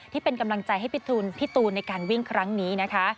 ที่เป็นกำลังใจให้พี่ตูนในการวิ่งครั้งนี้นะคะ